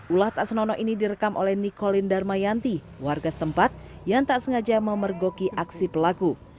ulah tak senono ini direkam oleh nikolin darmayanti warga setempat yang tak sengaja memergoki aksi pelaku